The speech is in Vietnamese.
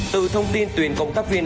từ thông tin tuyển công tác viên